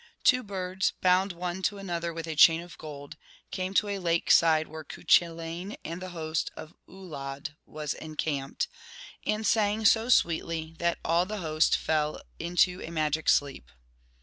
Two birds, bound one to another with a chain of gold, came to a lake side where Cuchullain and the host of Uladh was encamped, and sang so sweetly that all the host fell into a magic sleep.